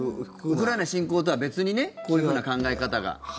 ウクライナ侵攻とは別にこういうふうな考え方が。